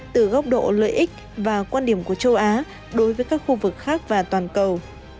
từ góc độ lợi ích và quan điểm của châu á đối với các khu vực khác và toàn cầu